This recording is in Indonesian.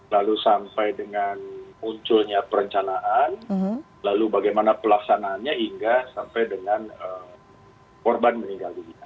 lalu sampai dengan munculnya perencanaan lalu bagaimana pelaksanaannya hingga sampai dengan korban meninggal dunia